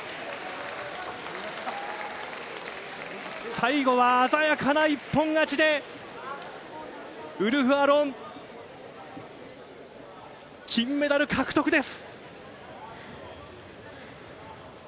最後は鮮やかな一本勝ちでウルフ・アロン金メダル獲得です。